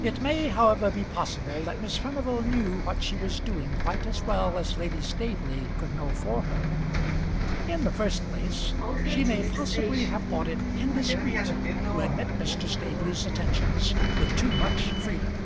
It may, however, be possible that Miss Furnival knew what she was doing quite as well as Lady Staveley could know for her. In the first place she may possibly have thought it indiscreet to admit Mr. Staveley's attentions with too much freedom.